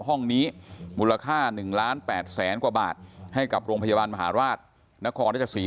ห้องนี้มูลค่า๑ล้าน๘แสนกว่าบาทให้กับโรงพยาบาลมหาราชนครราชสี